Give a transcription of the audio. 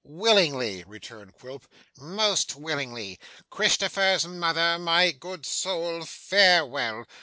'Willingly,' returned Quilp. 'Most willingly. Christopher's mother, my good soul, farewell.